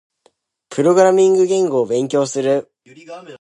プログラミング言語を勉強する。